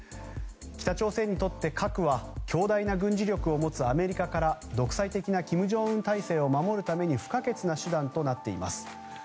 北朝鮮にとって核は強大な軍事力を持つアメリカから独裁的な金正恩体制を守るために不可欠な手段となっています。